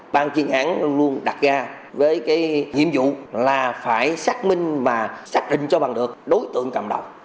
ban kiên án luôn đặt ra với nhiệm vụ là phải xác minh và xác định cho bằng được đối tượng cầm đồng